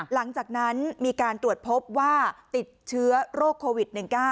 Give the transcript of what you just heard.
หลังจากนั้นมีการตรวจพบว่าติดเชื้อโรคโควิด๑๙